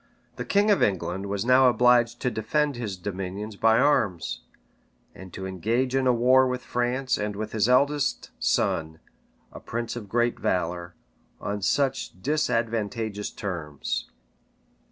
The king of England was now obliged to defend his dominions by arms, and to engage in a war with France and with his eldest son, a prince of great valor, on such disadvantageous terms.